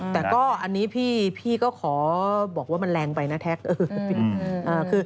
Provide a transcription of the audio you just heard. แต่ก็อันนี้พี่ก็ขอบอกว่ามันแรงไปนะแท็ก